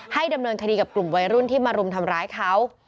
ดำเนินคดีกับกลุ่มวัยรุ่นที่มารุมทำร้ายเขา